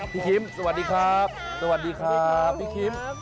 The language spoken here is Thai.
คิมสวัสดีครับสวัสดีครับพี่คิม